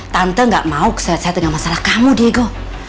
tante gak mau kesayat sayat dengan masalah kamu diego